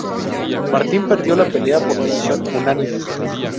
Martin perdió la pelea por decisión unánime.